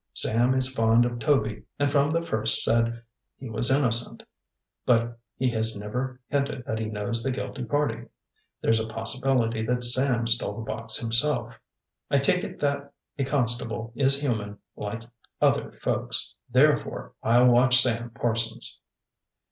Sam is fond of Toby and from the first said he was innocent. But he has never hinted that he knows the guilty party. There's a possibility that Sam stole the box himself. I take it that a constable is human, like other folks. Therefore I'll watch Sam Parsons."